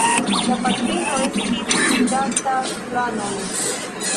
La patrino estis fritanta flanojn.